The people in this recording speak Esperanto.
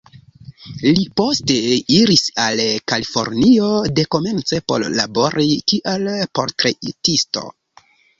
Li poste iris al Kalifornio, dekomence por labori kiel portretisto.